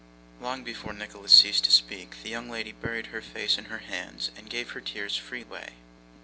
Long before Nicholas ceased to speak, the young lady buried her face in her hands, and gave her tears free way.